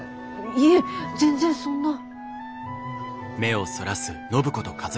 いえ全然そんな。